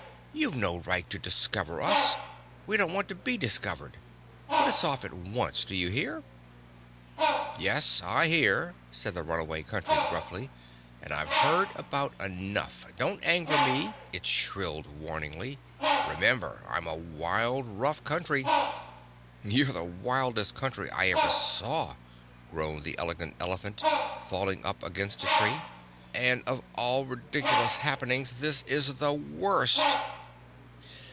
You've no right to discover us. We don't want to be discovered. Put us off at once—do you hear?" "Yes, I hear," said the Runaway Country gruffly. "And I've heard about enough. Don't anger me," it shrilled warningly. "Remember, I'm a wild, rough Country." "You're the wildest Country I ever saw," groaned the Elegant Elephant, falling up against a tree. "And of all ridiculous happenings this is the worst!"